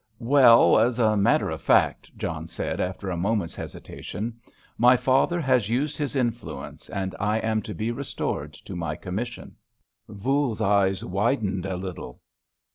"Well, as a matter of fact," John said, after a moment's hesitation, "my father has used his influence, and I am to be restored to my commission." Voules's eyes widened a little.